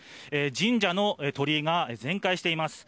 神社の鳥居が全壊しています。